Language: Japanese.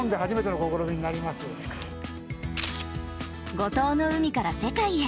五島の海から世界へ。